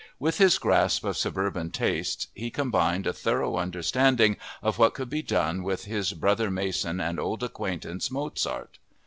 With his grasp of suburban tastes he combined a thorough understanding of what could be done with his brother Mason and old acquaintance, Mozart.